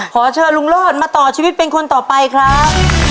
ขอเชิญลุงโลศมาต่อชีวิตเป็นคนต่อไปครับ